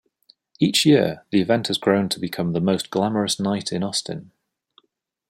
Each year, the event has grown to become the most glamorous night in Austin.